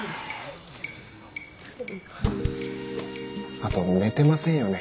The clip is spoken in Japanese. あと寝てませんよね？